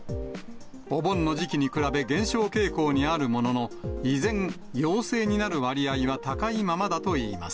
お盆の時期に比べ減少傾向にあるものの、依然、陽性になる割合は高いままだといいます。